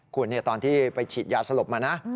คุณตอนที่ไปฉีดยาสลบมานะ